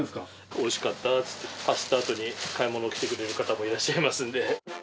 おいしかったって、走ったあとに、買い物来てくださる方もいらっしゃいますんで。